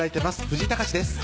藤井隆です